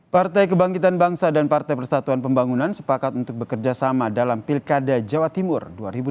partai kebangkitan bangsa dan partai persatuan pembangunan sepakat untuk bekerjasama dalam pilkada jawa timur dua ribu tujuh belas